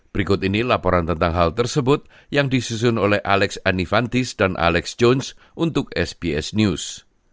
berikut ini laporan tentang hal tersebut yang disusun oleh alex anifantis dan alex jones untuk sbs news